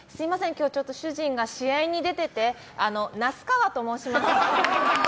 今日ちょっと主人が試合に出ててあの、那須川と申します。